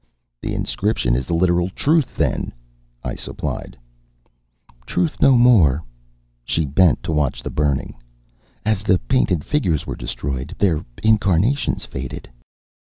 "The inscription is the literal truth, then?" I supplied. "Truth no more." She bent to watch the burning. "As the painted figures were destroyed, their incarnations faded."